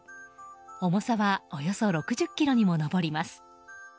重さはおよそ６０ｋｇにも上ります。